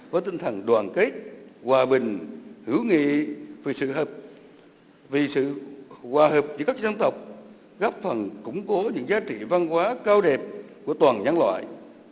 với tinh thần đoàn kết hòa bình hữu nghị vì sự hợp vì sự hòa hợp giữa các dân tộc góp phần củng cố những giá trị văn hóa cao đẹp của toàn nhân loại